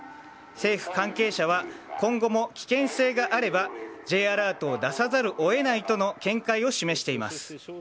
政府関係者は今後も危険性があればＪアラートを出さざるを得ないとの見解を示しています。